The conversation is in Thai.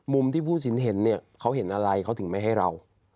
มุมที่ผู้สินเห็นเนี่ยเขาเห็นอะไรเขาถึงไม่ให้เรา